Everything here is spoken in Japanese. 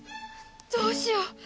どうしよう。